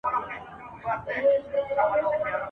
چي هم نن په وینو لژند هم سبا په وینو سور دی ..